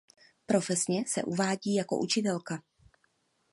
Profesně se uvádí jako učitelka.